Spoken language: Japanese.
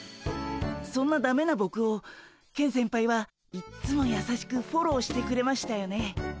そんなダメなボクをケン先輩はいっつもやさしくフォローしてくれましたよね。